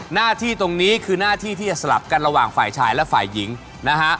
หน้าที่ตรงนี้คือหน้าที่ที่จะสลับกันระหว่างฝ่ายชายและฝ่ายหญิงนะฮะ